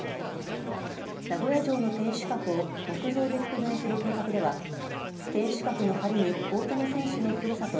名古屋城の天守閣を木造で復元する計画では天守閣のはりに大谷選手のふるさと